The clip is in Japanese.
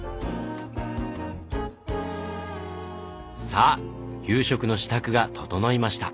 さあ夕食の支度が整いました。